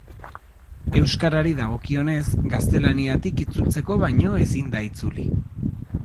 Euskarari dagokionez, gaztelaniatik itzultzeko baino ezin da itzuli.